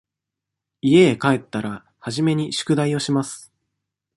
家へ帰ったら、初めに宿題をします。